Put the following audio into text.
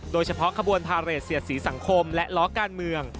โดยเฉพาะขบวนพาเรทเสียดสีสังคมและล้อการเมือง